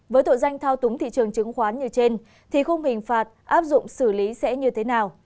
với tội danh thao túng thị trường chứng khoán như trên thì khung hình phạt áp dụng xử lý sẽ như thế nào